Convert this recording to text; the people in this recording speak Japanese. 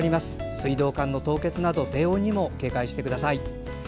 水道管の凍結など低温にも警戒してください。